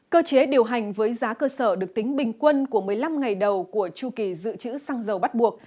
cơ chế điều hành với giá cơ sở được tính bình quân của một mươi năm ngày đầu của chu kỳ dự trữ xăng dầu bắt buộc